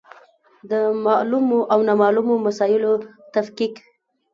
د معلومو او نامعلومو مسایلو تفکیک.